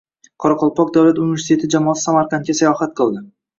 Qoraqalpoq davlat universiteti jamoasi Samarqandga sayohat qildi